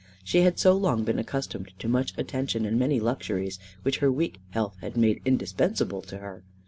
She had so long been accustomed to much attention and many luxuries, which her weak health had made indispensable to her.